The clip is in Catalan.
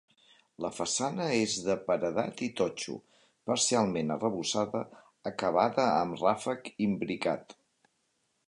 La façana és de paredat i totxo, parcialment arrebossada, acabada amb ràfec imbricat.